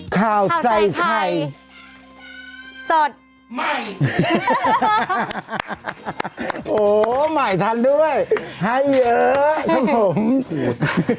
ข่าวใจใครสดไม่โอ้หมายทันด้วยให้เยอะครับผม